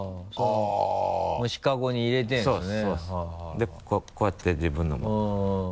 でこうやって自分のも。うん。